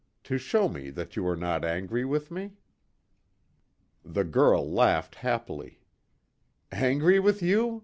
To show me that you are not angry with me." The girl laughed happily: "Angry with you!